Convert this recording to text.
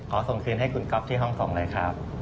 ส่งคืนให้คุณก๊อฟที่ห้องส่งเลยครับ